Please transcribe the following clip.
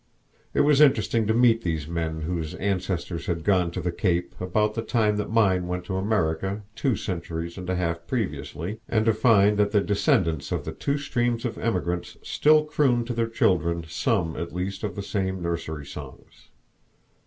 It was interesting to meet these men whose ancestors had gone to the Cape about the time that mine went to America two centuries and a half previously, and to find that the descendants of the two streams of emigrants still crooned to their children some at least of the same nursery songs.